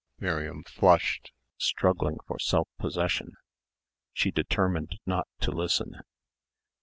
Miriam flushed, struggling for self possession. She determined not to listen....